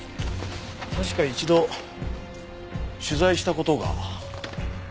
確か一度取材した事が。